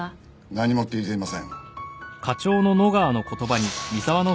何も聞いていません。